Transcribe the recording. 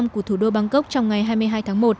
của thủ đô bangkok trong ngày hai mươi hai tháng một